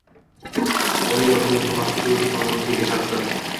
oliy yoki o‘rta maxsus yuridik ma’lumotga ega shaxslar;